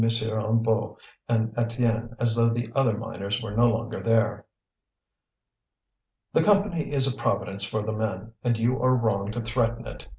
Hennebeau and Étienne as though the other miners were no longer there. "The Company is a Providence for the men, and you are wrong to threaten it.